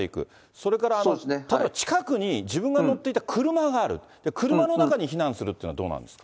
それから、ただ近くに自分が乗っていた車がある、車の中に避難するというのはどうなんですか。